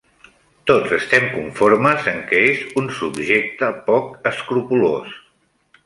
Tots estem conformes en que és un subjecte poc escrupolós